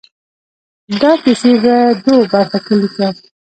دا کیسې په دوو برخو کې ليکم.